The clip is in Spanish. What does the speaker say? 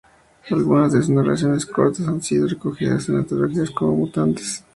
Algunas de sus narraciones cortas han sido recogidas en antologías como "Mutantes.